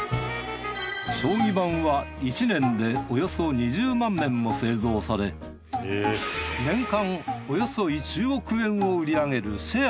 将棋盤は１年でおよそ２０万面も製造され年間およそ１億円を売り上げるシェア